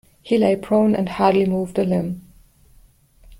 He lay prone and hardly moved a limb.